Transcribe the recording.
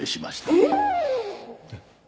えっ？